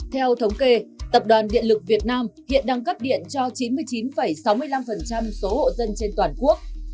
theo thống kê tập đoàn điện lực việt nam hiện đang cấp điện cho chín mươi chín sáu mươi năm số hộ dân trên toàn quốc